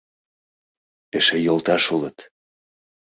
Эше йолташ улыт!..